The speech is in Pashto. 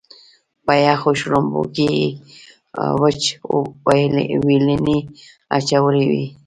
په یخو شړومبو کې یې وچ وېلنی اچولی وي.